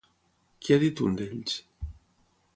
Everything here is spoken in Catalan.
Què ha dit un d'ells?